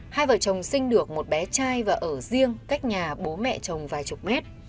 hai vợ chồng sinh được một bé trai và ở riêng cách nhà bố mẹ chồng vài chục mét